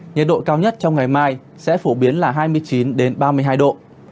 nhật độ cao nhất trong ngày mai sẽ phổ biến là hai mươi chín đến ba mươi hai độ